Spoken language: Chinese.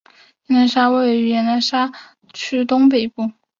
讷沙托站位于讷沙托市区的西北部。